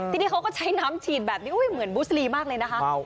ที่นี่เขาก็ใช้น้ำฉีดแบบนี้เหมือนบุสรีมากเลยนะคะ